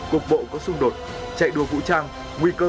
cục bộ có xung đột chạy đua vũ trang nguy cơ